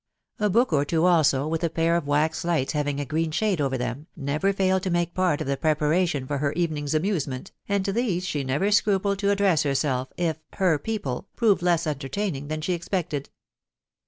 A book or two also, with a pair of wax lights having a green shade over them, never failed to make part of the preparation for her evening's amusement, and to these she never scrupled to ad dress herself, if " her people " proved less entertaining than she expected.